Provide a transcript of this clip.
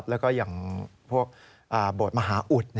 แล้วก็อย่างพวกโบสถ์มหาอุด